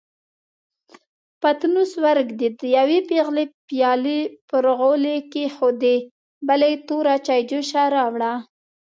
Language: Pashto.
پتنوس ورېږدېد، يوې پېغلې پيالې پر غولي کېښودې، بلې توره چايجوشه راوړه.